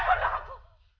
kamu bunuh aku